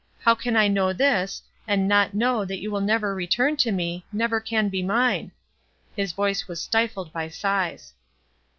How can I know this, and not know, that you will never return for me—never can be mine." His voice was stifled by sighs.